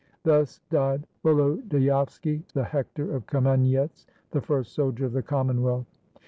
Thus died Volodyovski, the Hector of Kamenyetz, the first soldier of the Commonwealth.